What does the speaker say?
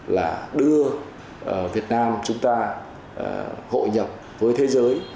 là đưa việt nam chúng ta hội nhập với thế giới